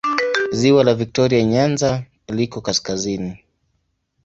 Ziwa la Viktoria Nyanza liko kaskazini.